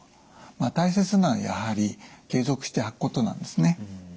大切なのはやはり継続して履くことなんですね。